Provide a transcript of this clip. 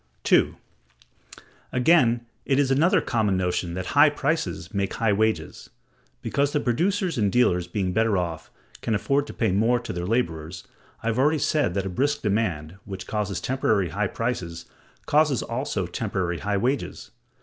2. Again, it is another common notion that high prices make high wages; because the producers and dealers, being better off, can afford to pay more to their laborers. I have already said that a brisk demand, which causes temporary high prices, causes also temporary high wages.